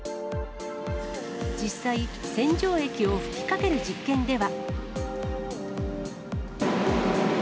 実際、洗浄液を吹きかける実験では。